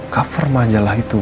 cover majalah itu